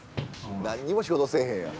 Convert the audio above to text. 何にも仕事せえへんやん。